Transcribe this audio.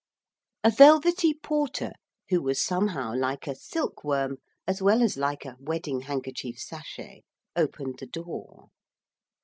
A velvety porter, who was somehow like a silkworm as well as like a wedding handkerchief sachet, opened the door.